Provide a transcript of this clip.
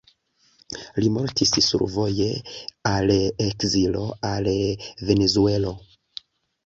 Li mortis survoje al ekzilo al Venezuelo.